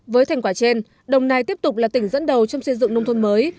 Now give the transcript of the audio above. với thành quả trên đồng nai tiếp tục là tỉnh dẫn đầu trong xây dựng nông thôn mới